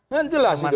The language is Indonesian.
kan jelas itu